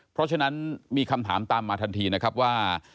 เพราะฉะนั้นมีคำถามตามมาทันทีนะครับว่า